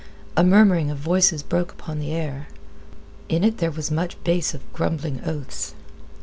A murmuring of voices broke upon the air. In it there was much bass of grumbling oaths.